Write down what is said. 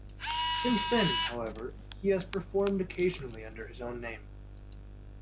Since then, however, he has performed occasionally under his own name.